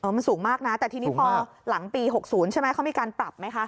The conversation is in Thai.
มันสูงมากนะแต่ทีนี้พอหลังปี๖๐ใช่ไหมเขามีการปรับไหมคะ